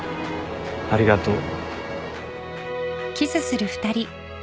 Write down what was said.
ありがとう。